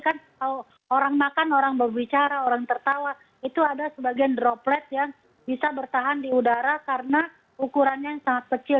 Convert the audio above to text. kalau orang makan orang berbicara orang tertawa itu ada sebagian droplet yang bisa bertahan di udara karena ukurannya yang sangat kecil